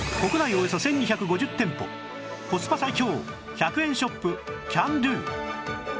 およそ１２５０店舗コスパ最強１００円ショップキャンドゥ